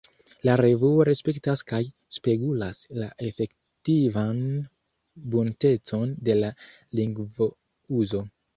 La revuo respektas kaj spegulas la efektivan buntecon de la lingvouzo.